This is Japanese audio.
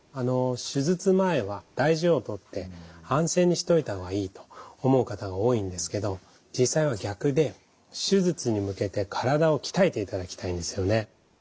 手術前は大事をとって安静にしといた方がいいと思う方が多いんですけど実際は逆で手術に向けて体を鍛えていただきたいんですよね。